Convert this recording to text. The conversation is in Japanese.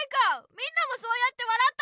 みんなもそうやってわらったの！